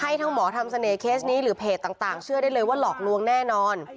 ให้ทั้งหมอทำเสน่ห์นี้หรือเพจต่างเชื่อได้เลยว่าหลอกลวงแน่นอน